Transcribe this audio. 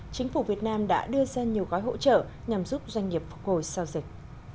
chính phủ việt nam đã đưa ra nhiều gói hỗ trợ nhằm giúp doanh nghiệp phục hồi sau dịch